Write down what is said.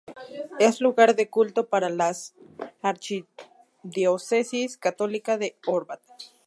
Es lugar de culto para la archidiócesis católica de Hobart.